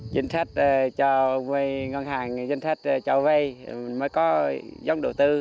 chính sách cho ngân hàng chính sách cho vay mới có giống đầu tư